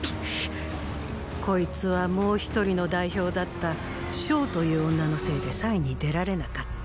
こいつはもう一人の代表だった象という女のせいで“祭”に出られなかった。